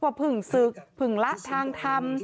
ว่าผึ่งศึกผึ่งละทางทำ